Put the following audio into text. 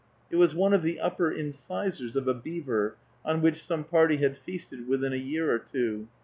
It was one of the upper incisors of a beaver, on which some party had feasted within a year or two.